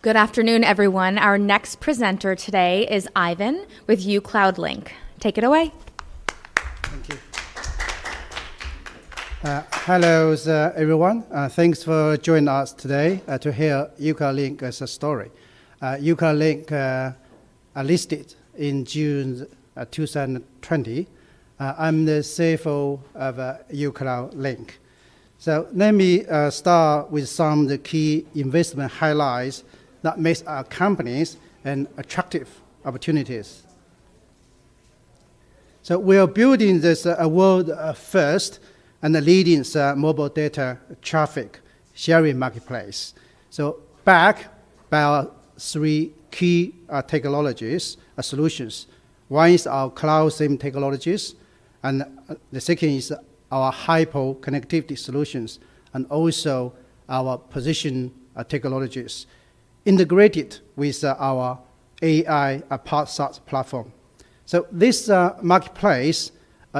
Good afternoon, everyone. Our next presenter today is Ivan with uCloudlink. Take it away. Thank you. Hello, everyone. Thanks for joining us today to hear uCloudlink's story. uCloudlink listed in June 2020. I'm the CFO of uCloudlink. So let me start with some of the key investment highlights that make our companies attractive opportunities. So we are building this world's first and the leading mobile data traffic sharing marketplace. So backed by our three key technologies or solutions. One is our CloudSIM technologies, and the second is our HyperConn solutions, and also our positioning technologies integrated with our AI partners platform. So this marketplace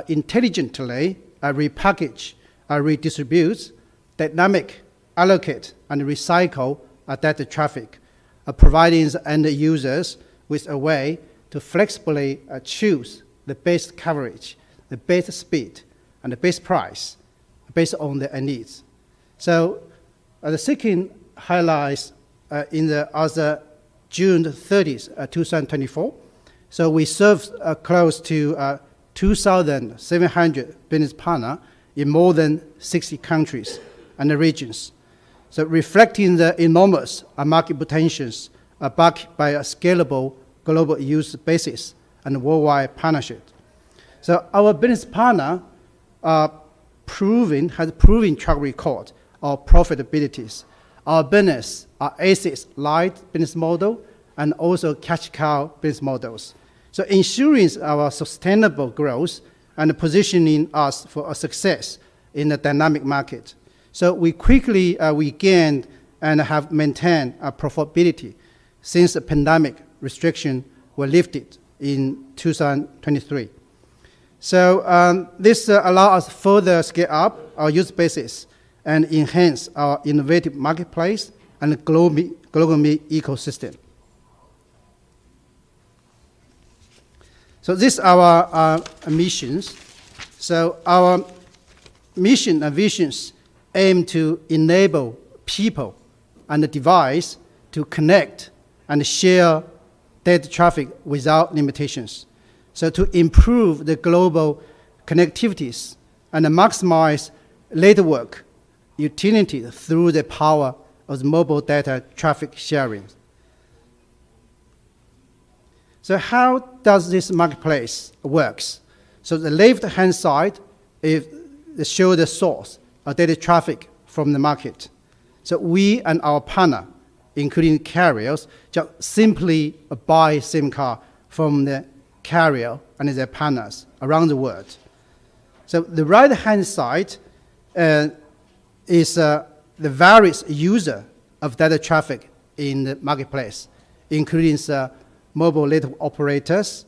intelligently repackages, redistributes, dynamically allocates, and recycles data traffic, providing end users with a way to flexibly choose the best coverage, the best speed, and the best price based on their needs. So the second highlight is as of 30 June 2024. So we serve close to 2,700 business partners in more than 60 countries and regions. Reflecting the enormous market potential backed by a scalable global user base and worldwide partnerships. Our business partners have a proven track record of profitability. Our business has viable business models and also cash-cow business models, ensuring our sustainable growth and positioning us for success in a dynamic market. We quickly regained and have maintained profitability since the pandemic restrictions were lifted in 2023. This allows us to further scale up our user base and enhance our innovative marketplace and global ecosystem. These are our missions. Our mission and visions aim to enable people and devices to connect and share data traffic without limitations, to improve the global connectivity and maximize network utility through the power of mobile data traffic sharing. How does this marketplace work? The left-hand side shows the source of data traffic from the market. We and our partners, including carriers, just simply buy SIM cards from the carrier and their partners around the world. The right-hand side is the various users of data traffic in the marketplace, including mobile network operators,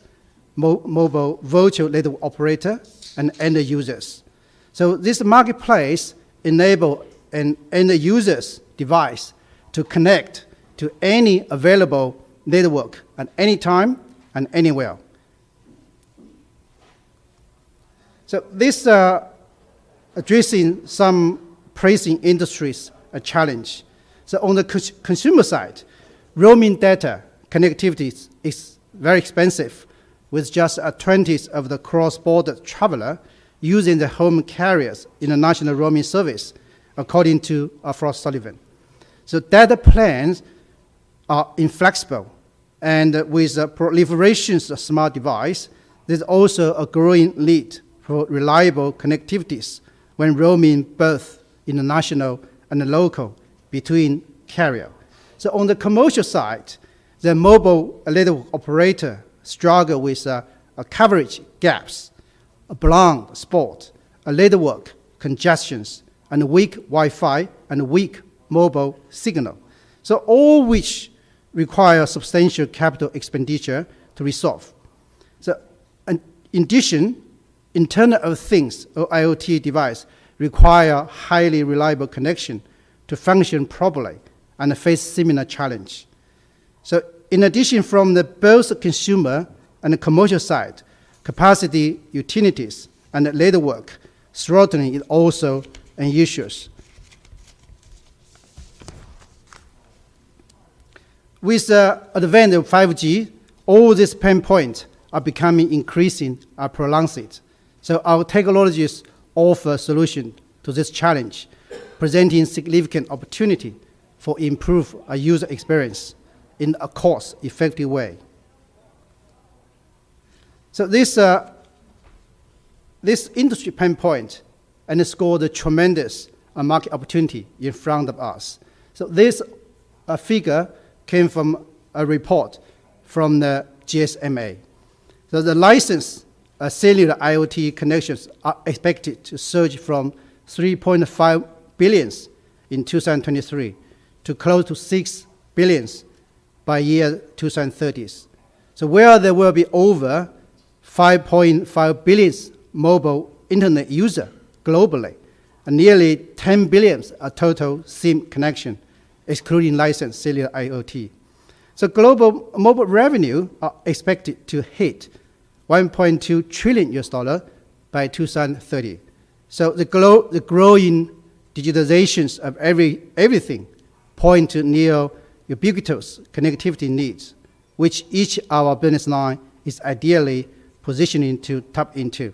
mobile virtual network operators, and end users. This marketplace enables end users' devices to connect to any available network at any time and anywhere. This addresses some pressing industries' challenges. On the consumer side, roaming data connectivity is very expensive, with just a twentieth of the cross-border travelers using their home carriers in the international roaming service, according to Frost & Sullivan. Data plans are inflexible. With the proliferation of smart devices, there's also a growing need for reliable connectivities when roaming both international and local between carriers. On the commercial side, the mobile network operators struggle with coverage gaps, blocked spots, network congestions, and weak Wi-Fi and weak mobile signal, so all which require substantial capital expenditure to resolve. In addition, Internet of Things or IoT devices require highly reliable connections to function properly and face similar challenges. In addition, from both the consumer and the commercial side, capacity utilities and network throttling is also an issue. With the advent of 5G, all these pain points are becoming increasingly pronounced. Our technologies offer solutions to this challenge, presenting significant opportunities for improving user experience in a cost-effective way. This industry pain point underscores the tremendous market opportunity in front of us. This figure came from a report from the GSMA. The licensed cellular IoT connections are expected to surge from 3.5 billion in 2023 to close to 6 billion by the year 2030. There will be over 5.5 billion mobile internet users globally and nearly 10 billion total SIM connections, excluding licensed cellular IoT. Global mobile revenues are expected to hit $1.2 trillion by 2030. The growing digitization of everything points to near ubiquitous connectivity needs, which each of our business lines is ideally positioned to tap into.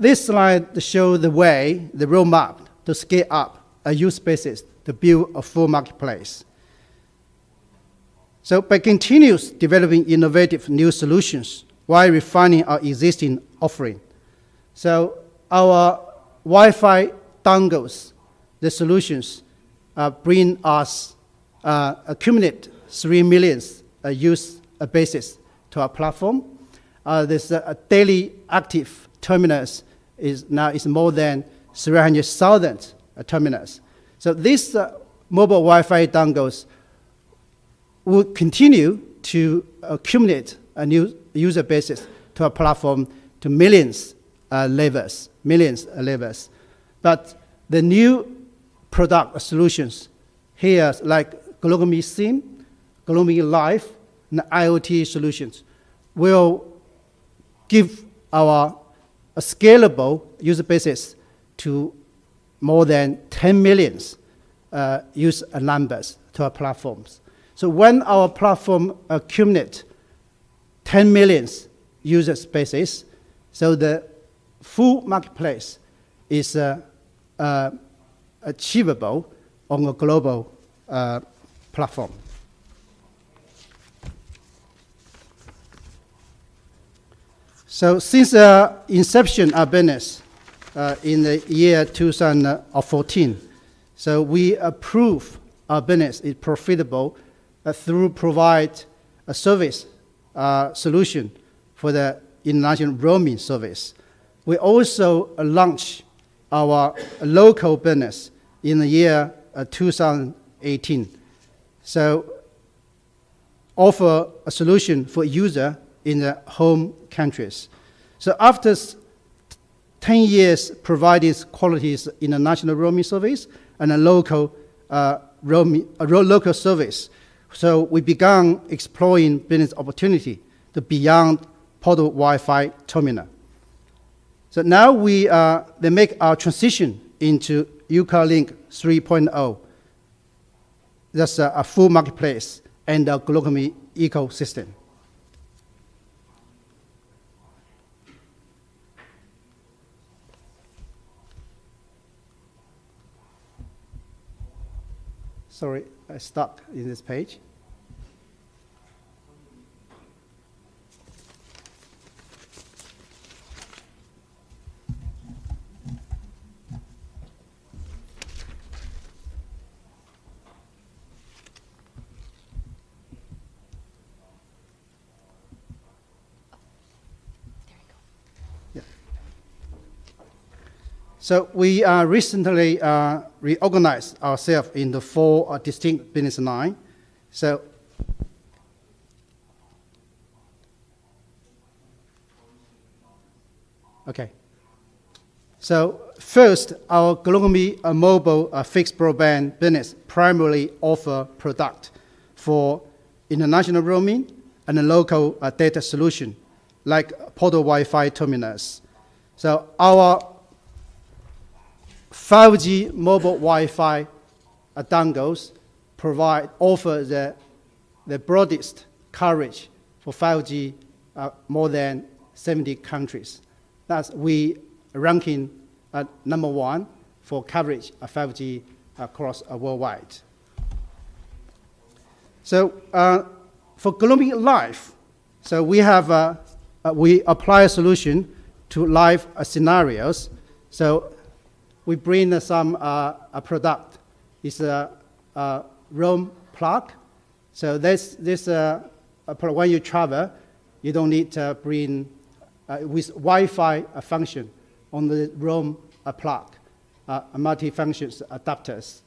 This slide shows the way, the roadmap to scale up a user base to build a full marketplace. By continuously developing innovative new solutions while refining our existing offerings, our Wi-Fi dongles, the solutions bring us, accumulate 3 million user base to our platform. There are daily active terminals now. It is more than 300,000 terminals. So these mobile Wi-Fi dongles will continue to accumulate a new user base to our platform to millions of levels, millions of levels. But the new product solutions here, like GlocalMe SIM, GlocalMe Life, and IoT solutions, will give our scalable user base to more than 10 million user numbers to our platforms. So when our platform accumulates 10 million user base, so the full marketplace is achievable on a global platform. So since the inception of business in the year 2014, so we have proved our business is profitable through providing a service solution for the international roaming service. We also launched our local business in the year 2018, so to offer a solution for users in their home countries. So after 10 years providing quality in the international roaming service and a local service, so we began exploring business opportunities beyond portable Wi-Fi terminal. So now we make our transition into uCloudlink 3.0. That's a full marketplace and a global ecosystem. Sorry, I stuck in this page. There we go. We recently reorganized ourselves into four distinct business lines. Okay. First, our GlocalMe mobile fixed broadband business primarily offers products for international roaming and a local data solution like portable Wi-Fi terminals. Our 5G mobile Wi-Fi dongles provide the broadest coverage for 5G in more than 70 countries. That's us ranking number one for coverage of 5G across worldwide. For GlocalMe Life, we apply a solution to GlocalMe Life scenarios. We bring some product. It's a RoamPlug. This is a product when you travel, you don't need to bring with Wi-Fi function on the RoamPlug, multifunction adapters.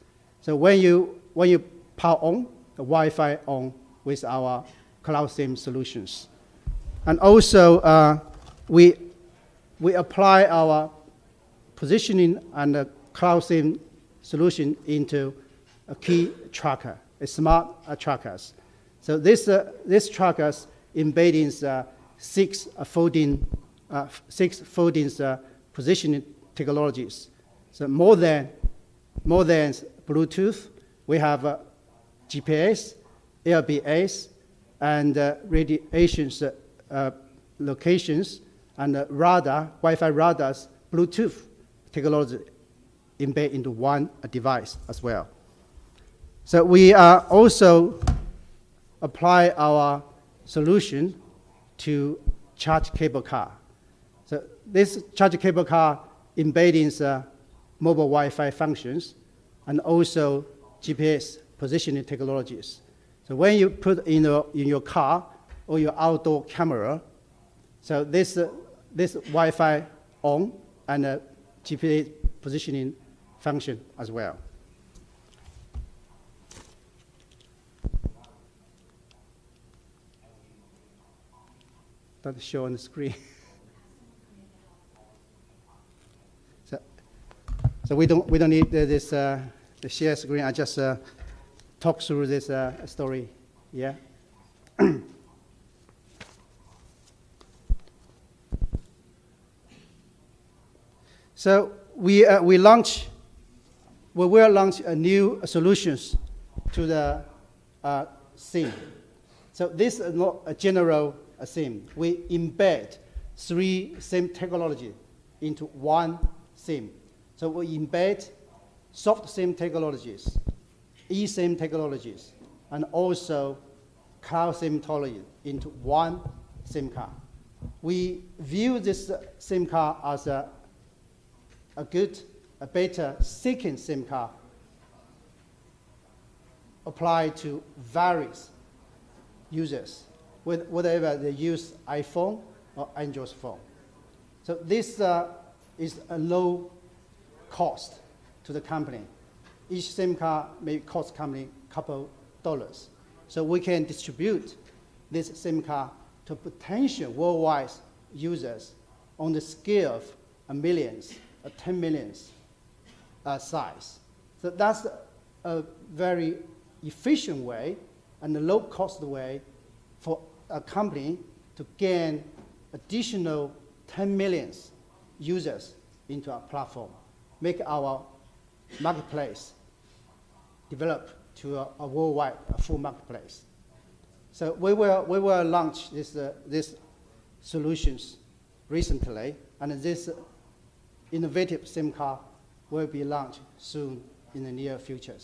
When you power on the Wi-Fi with our CloudSIM solutions. And also we apply our positioning and CloudSIM solution into a key tracker, a smart tracker. These trackers embed six-fold positioning technologies. So more than Bluetooth, we have GPS, LBS, and Radio locations, and radar, Wi-Fi radars, Bluetooth technology embedded into one device as well. So we also apply our solution to charge cable car. So this charge cable car embeds mobile Wi-Fi functions and also GPS positioning technologies. So when you put in your car or your outdoor camera, so this Wi-Fi on and GPS positioning function as well. Don't show on the screen. So we don't need this share screen. I just talk through this story. Yeah. So we launched we will launch a new solution to the SIM. So this is not a general SIM. We embed three SIM technologies into one SIM. So we embed SoftSIM technologies, eSIM technologies, and also CloudSIM technology into one SIM card. We view this SIM card as a good, a better second SIM card applied to various users, whether they use iPhone or Android phone. So this is a low cost to the company. Each SIM card may cost the company a couple of dollars. So we can distribute this SIM card to potential worldwide users on the scale of millions, 10 million size. So that's a very efficient way and a low-cost way for a company to gain additional 10 million users into our platform, make our marketplace develop to a worldwide full marketplace. So we will launch these solutions recently, and this innovative SIM card will be launched soon in the near future.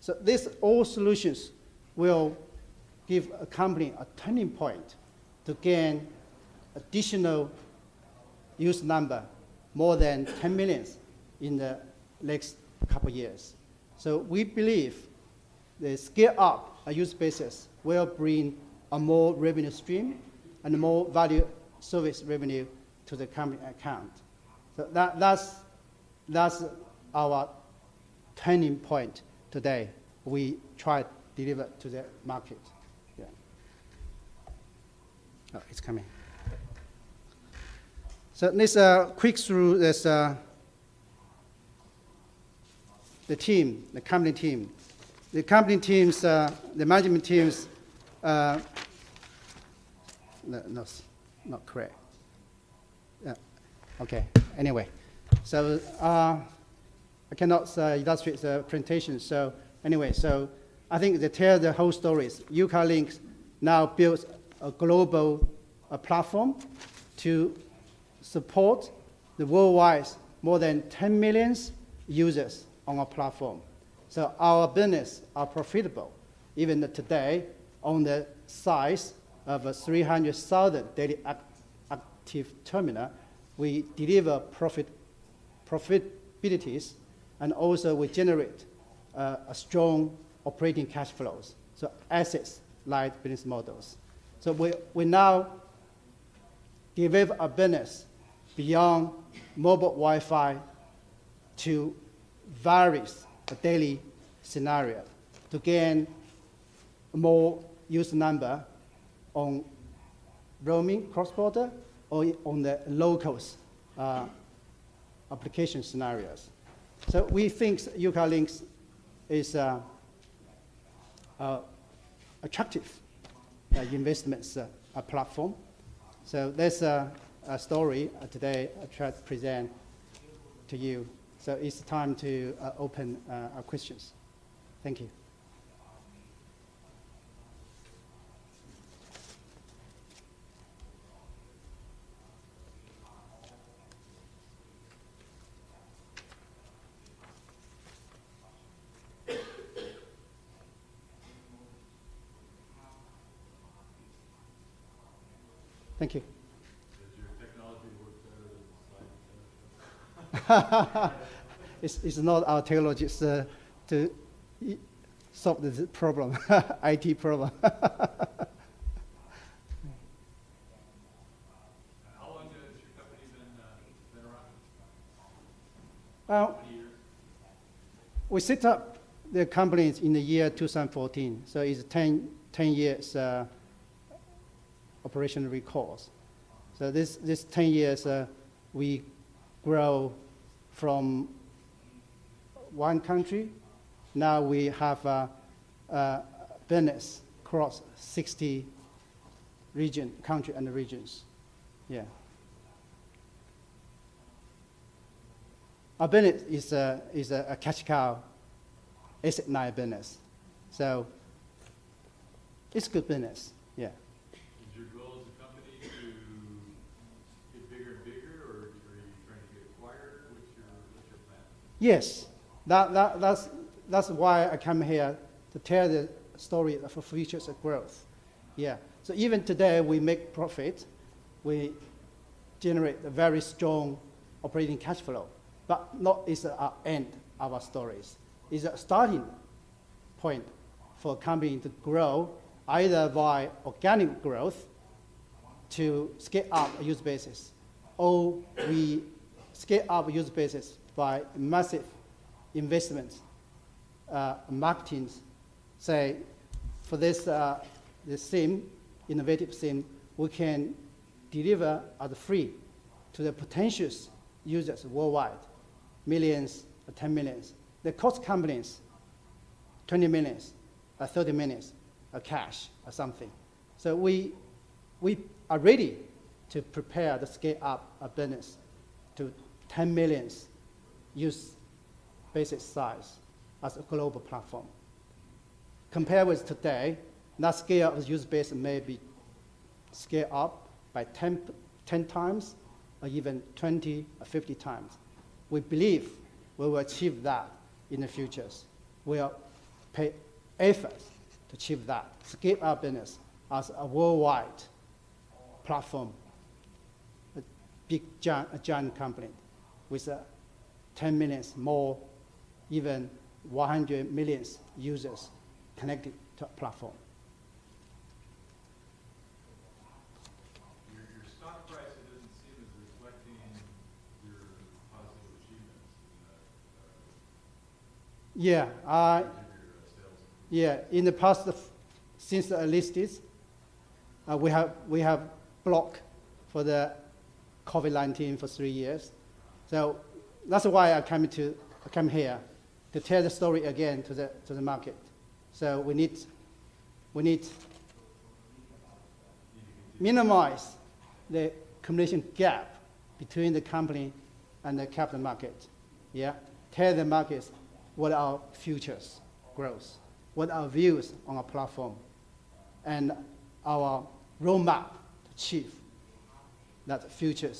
So these all solutions will give a company a turning point to gain additional user numbers more than 10 million in the next couple of years. So we believe the scale-up use basis will bring a more revenue stream and more value service revenue to the company account. So that's our turning point today we try to deliver to the market. Yeah. It's coming. So let's quick through this. The team, the company team, the management team. No, not correct. Yeah. Okay. Anyway, so I cannot illustrate the presentation. So anyway, so I think the tale of the whole story is uCloudlink now builds a global platform to support the worldwide more than 10 million users on our platform. So our business is profitable even today on the size of 300,000 daily active terminals. We deliver profitability, and also we generate strong operating cash flows. So assets like business models. So we now develop a business beyond mobile Wi-Fi to various daily scenarios to gain more user numbers on roaming, cross-border, or on the local application scenarios. So we think uCloudlink is an attractive investment platform. So that's a story today I try to present to you. So it's time to open our questions. Thank you. Thank you. Does your technology work better than the SIM? It's not our technology. It's to solve this problem, IT problem. How long has your company been around? Well. How many years? We set up the company in the year 2014. So it's 10 years of operation so far. So this 10 years, we grew from one country. Now we have a business across 60 countries and regions. Yeah. Our business is a cash cow asset-light business. So it's a good business. Yeah. Is your goal as a company to get bigger and bigger, or are you trying to get acquired? What's your plan? Yes. That's why I came here to tell the story of futures of growth. Yeah. So even today we make profit. We generate a very strong operating cash flow. But it's not the end of our stories. It's a starting point for a company to grow either by organic growth to scale up a user basis, or we scale up a user basis by massive investments, marketing. Say for this SIM, innovative SIM, we can deliver as free to the potential users worldwide, millions, 10 million. The cost to companies, 20 million, 30 million, cash or something. So we are ready to prepare the scale-up business to 10 million user basis size as a global platform. Compared with today, that scale of user base may be scaled up by 10 times or even 20 or 50 times. We believe we will achieve that in the future. We'll spare no efforts to achieve that, scale our business as a worldwide platform, a giant company with 10 million, or even 100 million users connected to our platform. Your stock price doesn't seem as reflecting your positive achievements. Yeah. In your sales. Yeah. In the past, since the listings, we have been blocked by the COVID-19 for three years. So that's why I came here, to tell the story again to the market. So we need to minimize the communication gap between the company and the capital market. Yeah. Tell the markets what our future growth, what our views on our platform, and our roadmap to achieve that future.